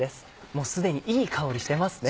もう既にいい香りしてますね。